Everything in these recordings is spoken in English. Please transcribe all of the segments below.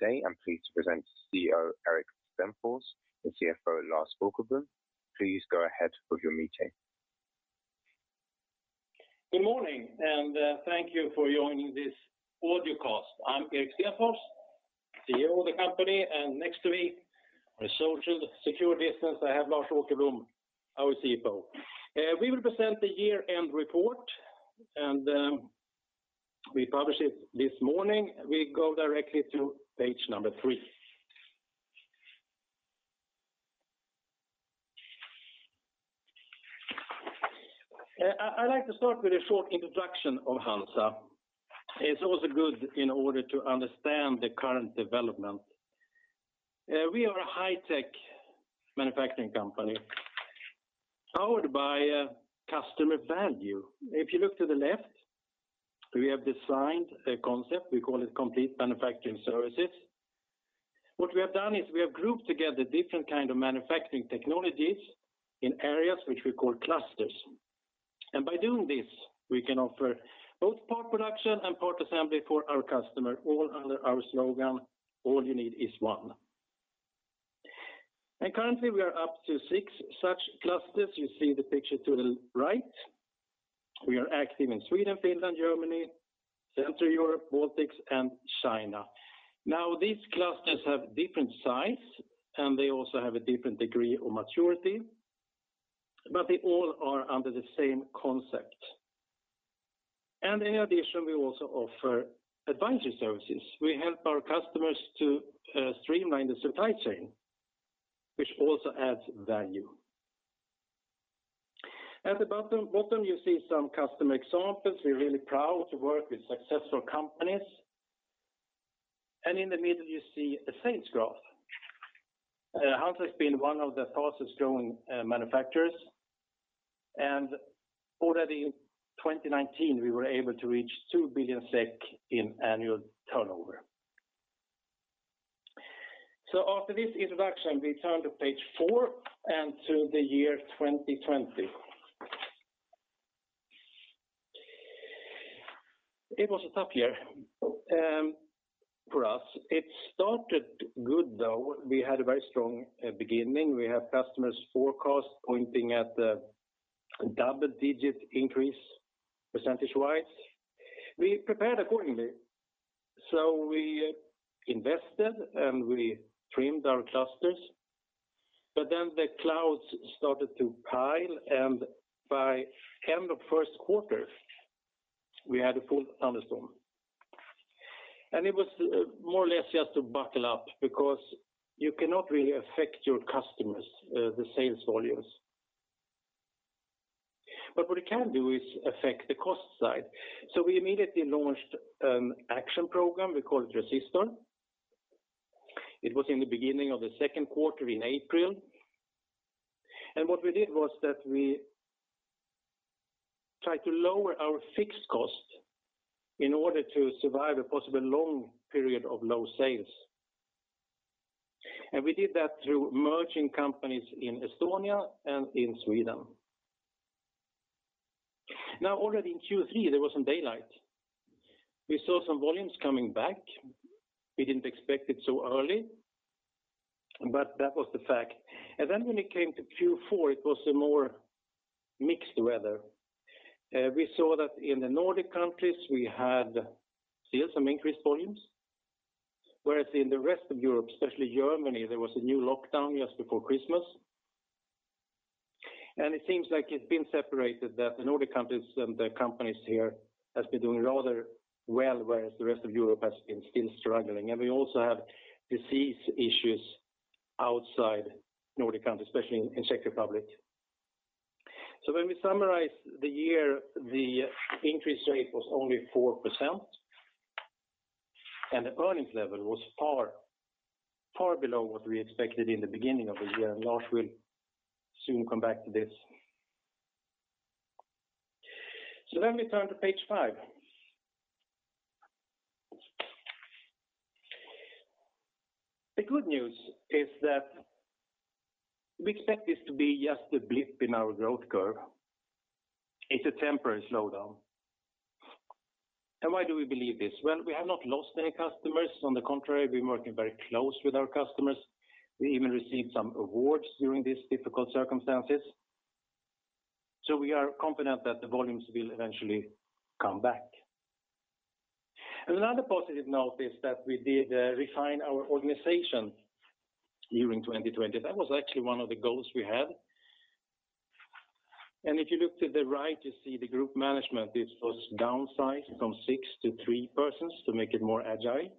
Today, I'm pleased to present CEO Erik Stenfors and CFO Lars Åkerblom. Please go ahead with your meeting. Good morning, thank you for joining this audio cast. I'm Erik Stenfors, CEO of the company, and next to me, with social secure distance, I have Lars Åkerblom, our CFO. We will present the year-end report, and we publish it this morning. We go directly to page number three. I'd like to start with a short introduction of HANZA. It's also good in order to understand the current development. We are a high-tech manufacturing company powered by customer value. If you look to the left, we have designed a concept. We call it Complete Manufacturing Services. What we have done is we have grouped together different kind of manufacturing technologies in areas which we call clusters. By doing this, we can offer both part production and part assembly for our customer, all under our slogan, All You Need Is One. Currently we are up to six such clusters. You see the picture to the right. We are active in Sweden, Finland, Germany, Central Europe, Baltics, and China. These clusters have different size, and they also have a different degree of maturity, but they all are under the same concept. In addition, we also offer advisory services. We help our customers to streamline the supply chain, which also adds value. At the bottom, you see some customer examples. We're really proud to work with successful companies. In the middle, you see a sales graph. HANZA has been one of the fastest-growing manufacturers, and already in 2019, we were able to reach 2 billion SEK in annual turnover. After this introduction, we turn to page four and to the year 2020. It was a tough year for us. It started good, though. We had a very strong beginning. We have customers' forecasts pointing at double-digit increase percentage-wise. We prepared accordingly, so we invested, and we trimmed our clusters, but then the clouds started to pile, and by end of first quarter, we had a full thunderstorm. It was more or less just to buckle up because you cannot really affect your customers, the sales volumes. What you can do is affect the cost side. We immediately launched an action program. We call it Resistor. It was in the beginning of the second quarter in April. What we did was that we tried to lower our fixed cost in order to survive a possible long period of low sales. We did that through merging companies in Estonia and in Sweden. Already in Q3, there was some daylight. We saw some volumes coming back. We didn't expect it so early, but that was the fact. When it came to Q4, it was a more mixed weather. We saw that in the Nordic countries, we had still some increased volumes, whereas in the rest of Europe, especially Germany, there was a new lockdown just before Christmas. It seems like it's been separated that the Nordic countries and the companies here have been doing rather well, whereas the rest of Europe has been still struggling. We also have disease issues outside Nordic countries, especially in Czech Republic. When we summarize the year, the increase rate was only 4%, and the earnings level was far below what we expected in the beginning of the year, and Lars will soon come back to this. Let me turn to page five. The good news is that we expect this to be just a blip in our growth curve. It's a temporary slowdown. Why do we believe this? We have not lost any customers. On the contrary, we're working very close with our customers. We even received some awards during these difficult circumstances. We are confident that the volumes will eventually come back. Another positive note is that we did refine our organization during 2020. That was actually one of the goals we had. If you look to the right, you see the group management. It was downsized from six to three persons to make it more agile,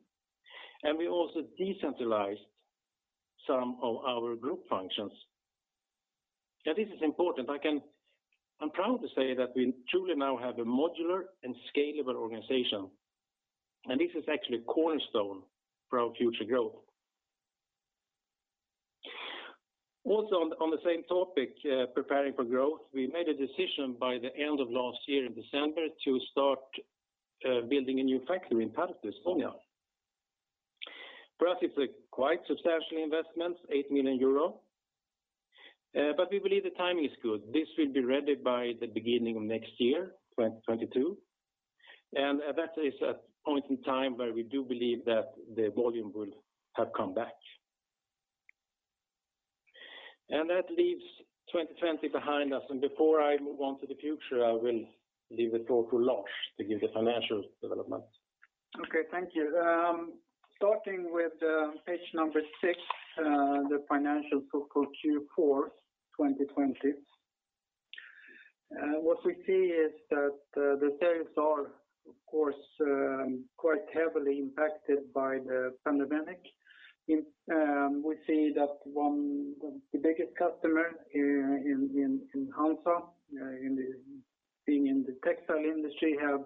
and we also decentralized some of our group functions. This is important. I'm proud to say that we truly now have a modular and scalable organization, and this is actually a cornerstone for our future growth. On the same topic, preparing for growth, we made a decision by the end of last year in December to start building a new factory in Pärnu, Estonia. For us, it's a quite substantial investment, 8 million euro. We believe the timing is good. This will be ready by the beginning of next year, 2022. That is a point in time where we do believe that the volume will have come back. That leaves 2020 behind us. Before I move on to the future, I will leave the floor to Lars to give the financial development. Thank you. Starting with page number six, the financials for Q4 2020. What we see is that the sales are, of course, quite heavily impacted by the pandemic. We see that one of the biggest customer in HANZA, being in the textile industry, have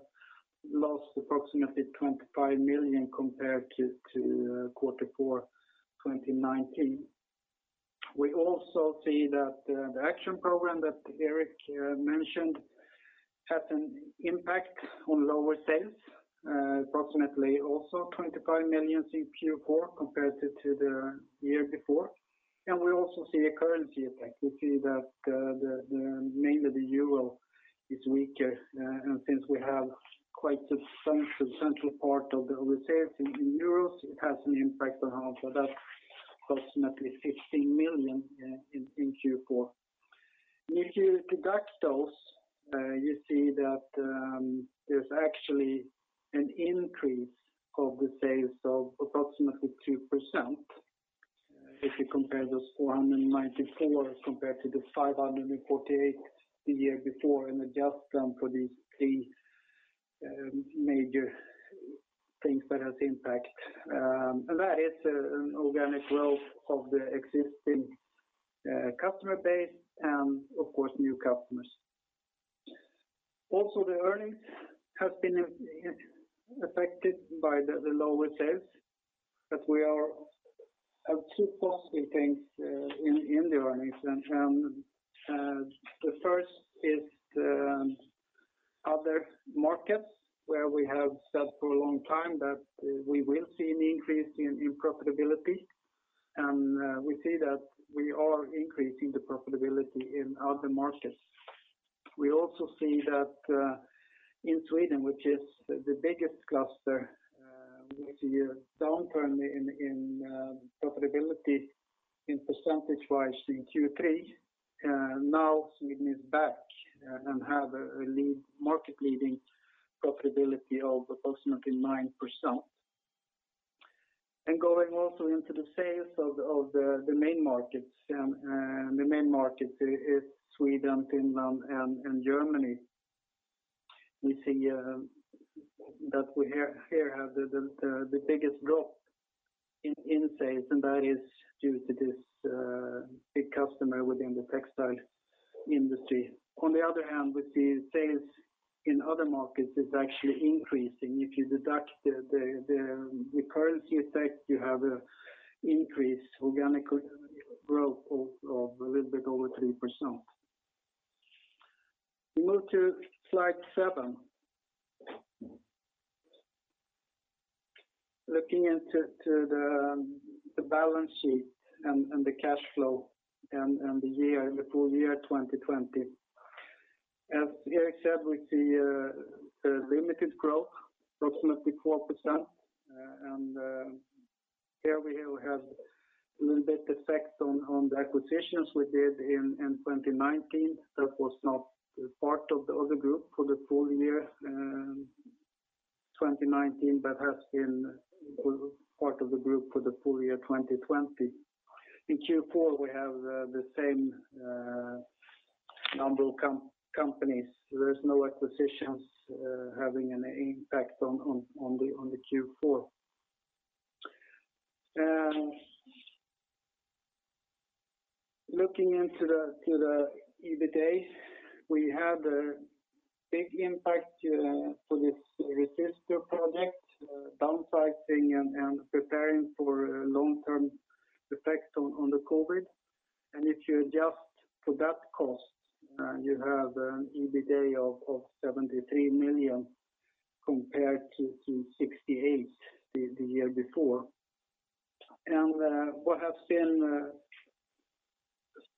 lost approximately 25 million compared to quarter four 2019. We also see that the action program that Erik mentioned had an impact on lower sales, approximately also 25 million in Q4 compared to the year before. We also see a currency effect. We see that mainly the euro is weaker, and since we have quite a central part of our sales in euros, it has an impact on us. That's approximately 15 million in Q4. If you deduct those, you see that there's actually an increase of the sales of approximately 2%, if you compare the 494 compared to the 548 the year before and adjust them for these three major things that has impact. That is an organic growth of the existing customer base and of course, new customers. Also, the earnings has been affected by the lower sales, we have two positive things in the earnings. The first is the other markets where we have said for a long time that we will see an increase in profitability, and we see that we are increasing the profitability in other markets. We also see that in Sweden, which is the biggest cluster, we see a downturn in profitability in percentage wise in Q3. Now Sweden is back and have a market-leading profitability of approximately 9%. Going also into the sales of the main markets, the main market is Sweden, Finland, and Germany. We see that we here have the biggest drop in sales, and that is due to this big customer within the textile industry. On the other hand, with the sales in other markets, it's actually increasing. If you deduct the currency effect, you have an increase organic growth of a little bit over 3%. We move to slide seven. Looking into the balance sheet and the cash flow and the full year 2020. As Erik said, we see a limited growth, approximately 4%. Here we have a little bit effect on the acquisitions we did in 2019 that was not part of the other group for the full year 2019 but has been part of the group for the full year 2020. In Q4, we have the same number of companies. There's no acquisitions having an impact on the Q4. Looking into the EBITDA, we had a big impact to this Resistor project, downsizing and preparing for long-term effects on the COVID. If you adjust for that cost, you have an EBITDA of 73 million compared to 68 million the year before. What has been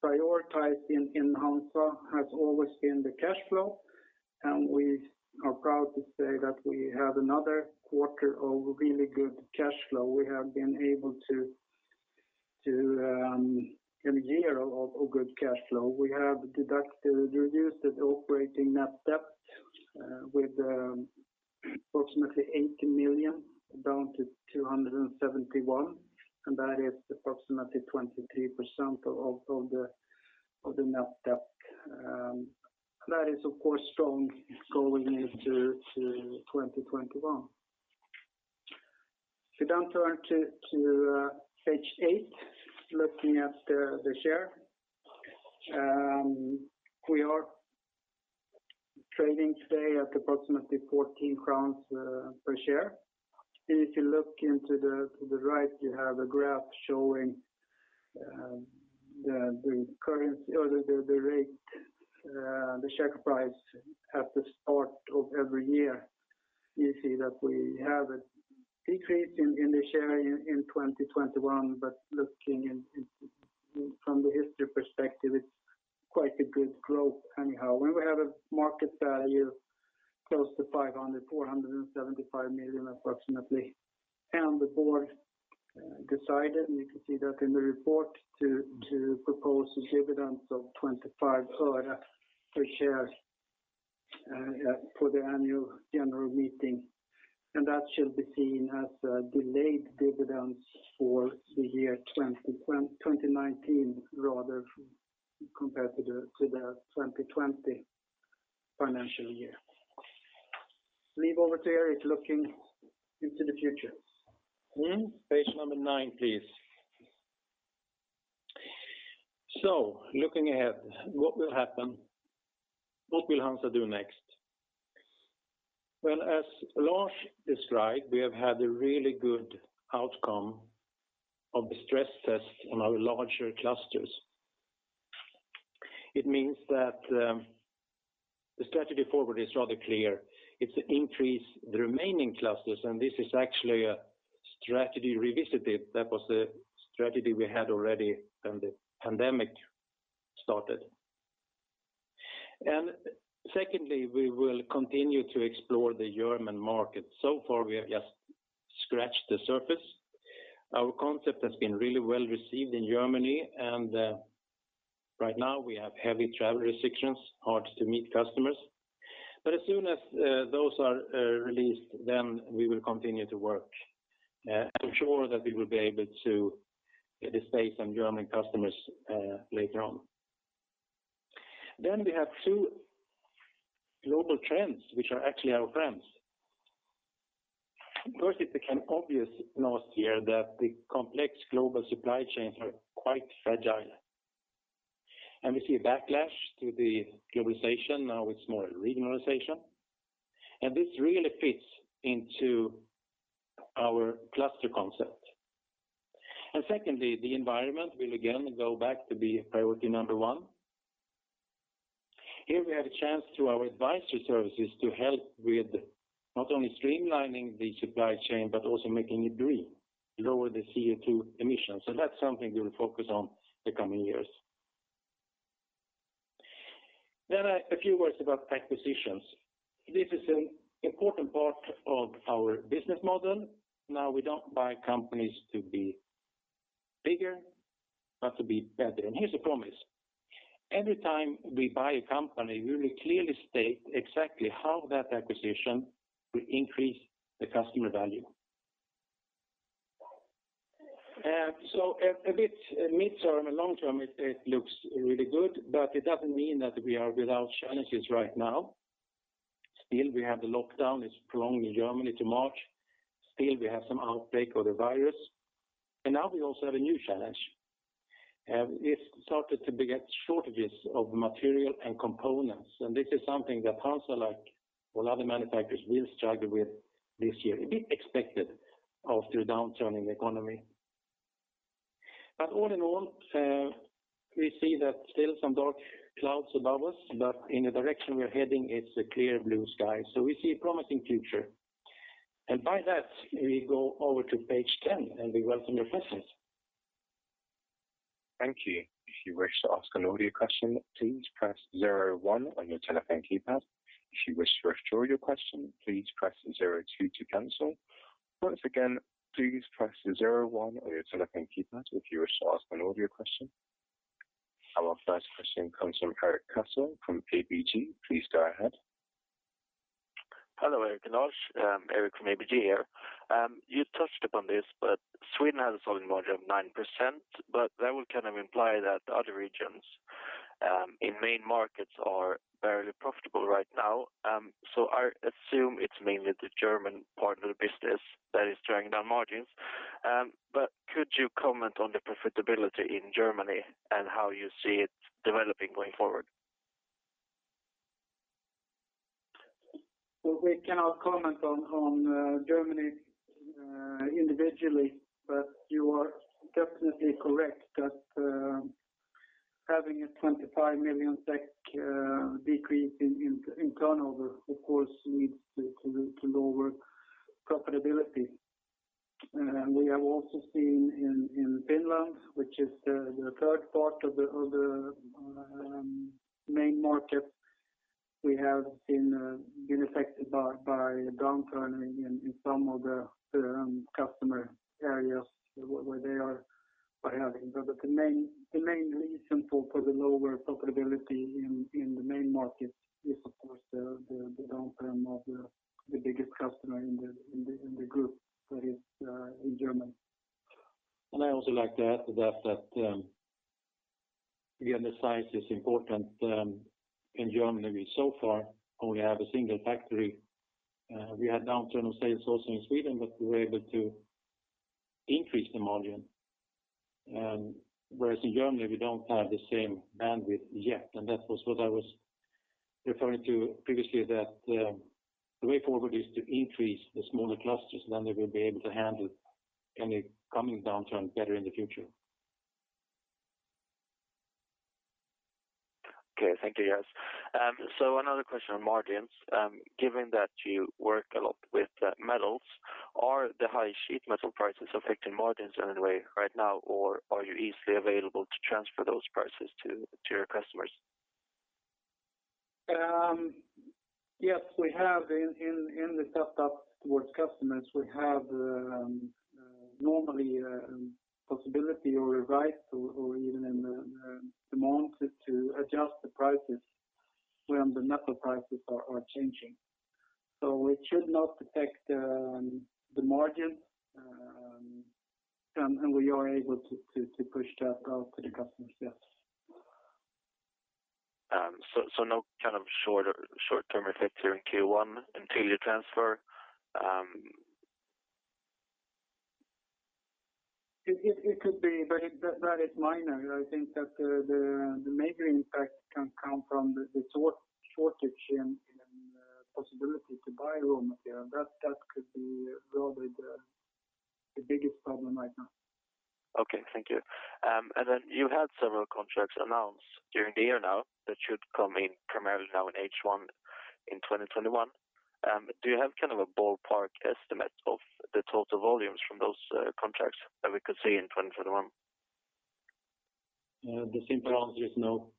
prioritized in HANZA has always been the cash flow. We are proud to say that we have another quarter of really good cash flow. We have been able to have a year of good cash flow. We have reduced the operating net debt with approximately 80 million down to 271 million, that is approximately 23% of the net debt. That is, of course, strong going into 2021. We turn to page eight, looking at the share. We are trading today at approximately 14 crowns per share. If you look into the right, you have a graph showing the share price at the start of every year. You see that we have a decrease in the share in 2021, but looking from the history perspective, it's quite a good growth anyhow. We have a market value close to 500 million, 475 million approximately, and the board decided, and you can see that in the report, to propose a dividend of 0.25 per share for the annual general meeting. That shall be seen as a delayed dividend for the year 2019 rather compared to the 2020 financial year. I leave over to Erik looking into the future. Page number nine, please. Looking ahead, what will happen? What will HANZA do next? Well, as Lars described, we have had a really good outcome of the stress test on our larger clusters. It means that the strategy forward is rather clear. It's to increase the remaining clusters, and this is actually a strategy revisited. That was the strategy we had already when the pandemic started. Secondly, we will continue to explore the German market. So far, we have just scratched the surface. Our concept has been really well-received in Germany, and right now we have heavy travel restrictions, hard to meet customers. As soon as those are released, we will continue to work. I'm sure that we will be able to get a space on German customers later on. We have two global trends, which are actually our friends. First, it became obvious last year that the complex global supply chains are quite fragile. We see a backlash to the globalization, now it's more regionalization. This really fits into our cluster concept. Secondly, the environment will again go back to be priority number one. Here we have a chance through our advisory services to help with not only streamlining the supply chain but also making it green, lower the CO2 emissions. That's something we'll focus on the coming years. A few words about acquisitions. This is an important part of our business model. Now, we don't buy companies to be bigger, but to be better. Here's a promise. Every time we buy a company, we will clearly state exactly how that acquisition will increase the customer value. A bit mid-term and long-term, it looks really good, but it doesn't mean that we are without challenges right now. Still, we have the lockdown is prolonged in Germany to March. Still, we have some outbreak of the virus. Now we also have a new challenge. It started to be at shortages of material and components. This is something that HANZA, like all other manufacturers, will struggle with this year. A bit expected of the downturn in the economy. All in all, we see that still some dark clouds above us, but in the direction we're heading, it's a clear blue sky. We see a promising future. By that, we go over to page 10, and we welcome your questions. Thank you. If you wish to ask an audio question, please press zero one on your telephone keypad. If you wish to recall your question, please press zero two to cancel. Once again please press, zero one on your telephone keypad, if you wish to ask an audio question. Our first question comes from Erik Cassel from ABG. Please go ahead. Hello, Erik and Lars. Erik from ABG here. You touched upon this, but Sweden has a selling margin of 9%, but that would kind of imply that the other regions in main markets are barely profitable right now. I assume it's mainly the German part of the business that is dragging down margins. Could you comment on the profitability in Germany and how you see it developing going forward? We cannot comment on Germany individually, but you are definitely correct that having a 25 million SEK decrease in turnover, of course, leads to lower profitability. We have also seen in Finland, which is the third part of the other main market, we have been affected by a downturn in some of the customer areas where they are buying. The main reason for the lower profitability in the main market is, of course, the downturn of the biggest customer in the group that is in Germany. I also like to add to that again, the size is important in Germany. So far, we only have a single factory. We had downturn of sales also in Sweden, but we were able to increase the margin. Whereas in Germany, we don't have the same bandwidth yet. That was what I was referring to previously, that the way forward is to increase the smaller clusters, then they will be able to handle any coming downturn better in the future. Thank you. Another question on margins. Given that you work a lot with metals, are the high sheet metal prices affecting margins in any way right now, or are you easily available to transfer those prices to your customers? We have in the step up towards customers, we have normally a possibility or a right, or even in a month to adjust the prices when the metal prices are changing. It should not affect the margin, and we are able to push that out to the customers, yes. No short or short-term effect here in Q1 until you transfer? It could be, but that is minor. I think that the major impact can come from the shortage and possibility to buy raw material. That could be probably the biggest problem right now. Thank you. Then you had several contracts announced during the year now that should come in primarily now in H1 in 2021. Do you have a ballpark estimate of the total volumes from those contracts that we could see in 2021? The simple answer is no.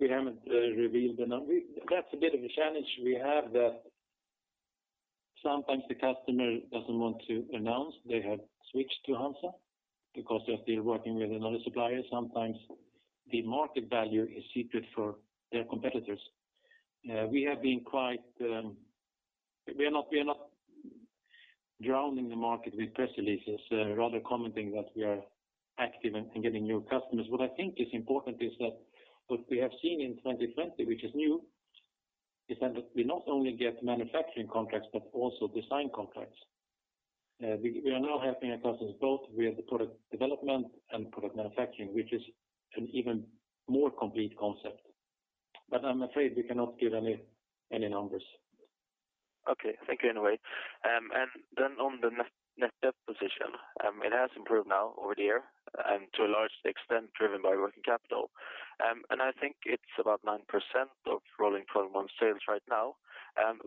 We haven't revealed the number. That's a bit of a challenge we have that sometimes the customer doesn't want to announce they have switched to HANZA because they're still working with another supplier. Sometimes the market value is secret for their competitors. We are not drowning the market with press releases, rather commenting that we are active in getting new customers. What I think is important is that what we have seen in 2020, which is new, is that we not only get manufacturing contracts, but also design contracts. We are now helping our customers both with the product development and product manufacturing, which is an even more complete concept. I'm afraid we cannot give any numbers. Thank you anyway. Then on the net debt position, it has improved now over the year, and to a large extent driven by working capital. I think it's about 9% of rolling 12 months sales right now. I'm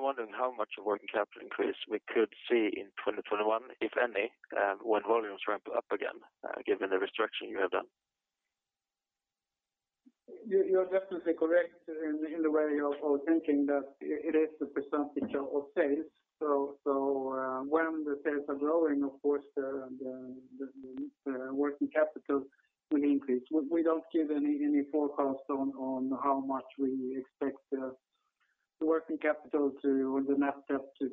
wondering how much of working capital increase we could see in 2021, if any, when volumes ramp up again given the restructuring you have done? You're definitely correct in the way of thinking that it is a percentage of sales. When the sales are growing, of course, the working capital will increase. We don't give any forecast on how much we expect the working capital to, or the net debt to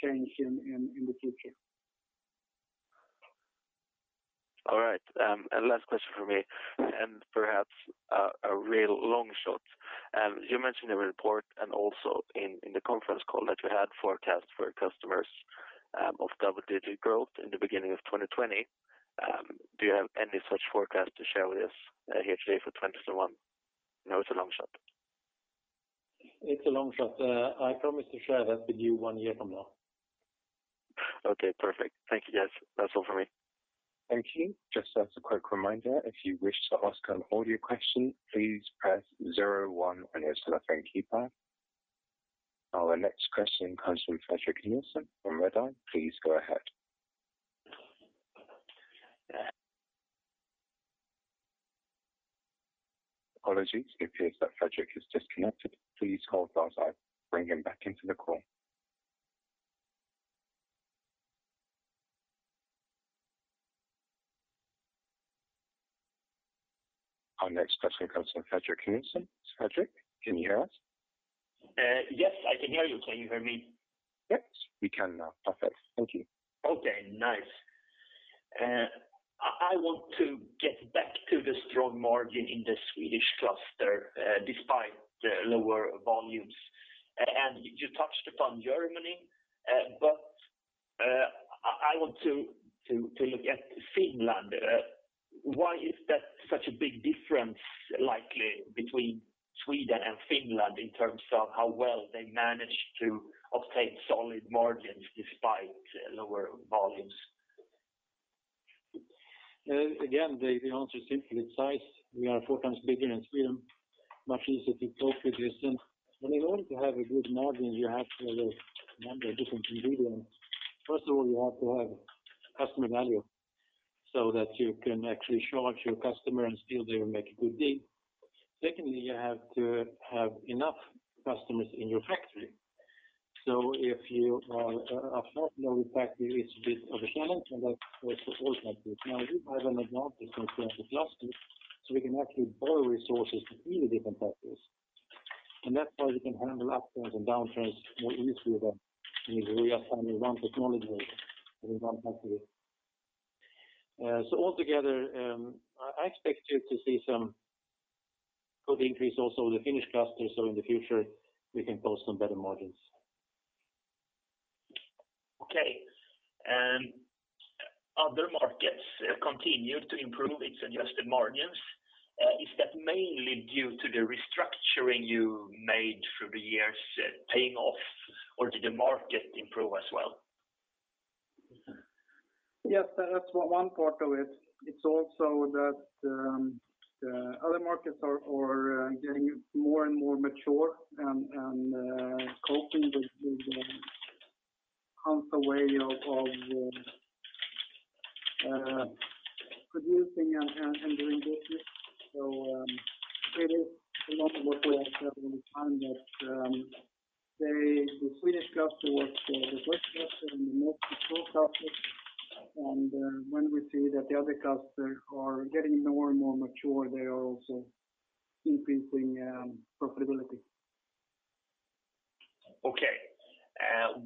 change in the future. All right. Last question from me, and perhaps a real long shot. You mentioned in the report and also in the conference call that you had forecasts for customers of double-digit growth in the beginning of 2020. Do you have any such forecast to share with us here today for 2021? I know it's a long shot. It's a long shot. I promise to share that with you one year from now. Okay, perfect. Thank you, guys. That's all from me. Thank you. Just as a quick reminder, if you wish to ask an audio question, please press zero one on your telephone keypad. Our next question comes from Fredrik Nilsson from Redeye. Please go ahead. Apologies, it appears that Fredrik has disconnected. Please hold while I bring him back into the call. Our next question comes from Fredrik Nilsson. Fredrik, can you hear us? Yes, I can hear you. Can you hear me? Yes, we can now. Perfect. Thank you. I want to get back to the strong margin in the Swedish cluster despite the lower volumes. You touched upon Germany, but I want to look at Finland. Why is that such a big difference likely between Sweden and Finland in terms of how well they managed to obtain solid margins despite lower volumes? Again, the answer is simply size. We are 4x bigger in Sweden, much easier to talk with this. In order to have a good margin, you have to have a number of different ingredients. First of all, you have to have customer value so that you can actually charge your customer and still they will make a good deal. Secondly, you have to have enough customers in your factory. If you have not known, a factory is a bit of a channel, and that's also all factories. Now, we have an advantage in terms of clusters, so we can actually borrow resources between the different factories. That's why we can handle upturns and downturns more easily than if we are finding one technology within one factory. Altogether, I expect you to see some good increase also in the Finnish cluster. In the future, we can post some better margins. Other markets continue to improve its adjusted margins. Is that mainly due to the restructuring you made through the years paying off, or did the market improve as well? That's one part of it. It's also that other markets are getting more and more mature and coping with the HANZA way of producing and doing business. It is a lot of work we have put in time that the Swedish cluster was the first cluster and the most mature cluster. When we see that the other clusters are getting more and more mature, they are also increasing profitability.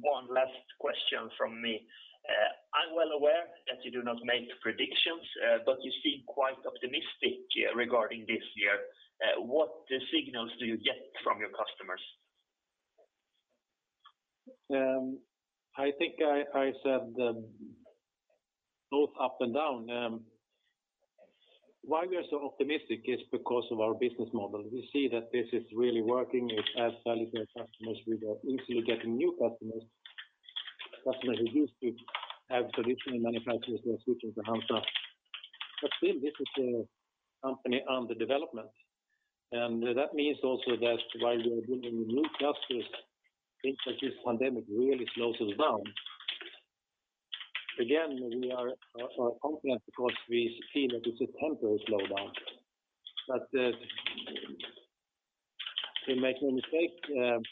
One last question from me. I'm well aware that you do not make predictions, but you seem quite optimistic regarding this year. What signals do you get from your customers? I think I said both up and down. We are so optimistic is because of our business model. We see that this is really working. It adds value to our customers. We are easily getting new customers who used to have traditional manufacturers who are switching to HANZA. Still, this is a company under development. That means also that while we are building new clusters, things like this pandemic really slows us down. Again, we are confident because we feel that it's a temporary slowdown. To make no mistake,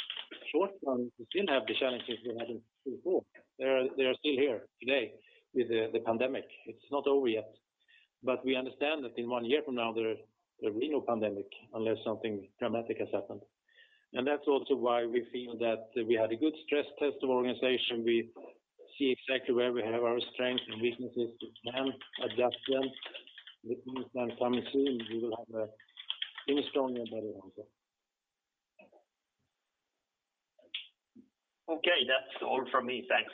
short term, we still have the challenges we had before. They are still here today with the pandemic. It's not over yet. We understand that in one year from now, there will be no pandemic unless something dramatic has happened. That's also why we feel that we had a good stress test of organization. We see exactly where we have our strengths and weaknesses. We can adjust them. Which means when summer comes soon, we will have a stronger body HANZA. That's all from me. Thanks.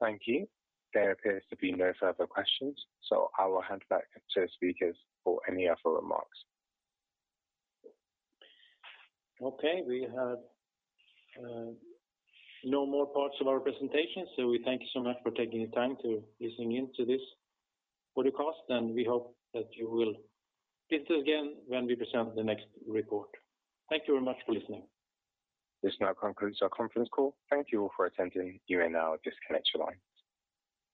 Thank you. There appears to be no further questions, so I will hand back to the speakers for any further remarks. We have no more parts of our presentation, so we thank you so much for taking the time to listen in to this podcast, and we hope that you will listen again when we present the next report. Thank you very much for listening. This now concludes our conference call. Thank you all for attending. You may now disconnect your lines.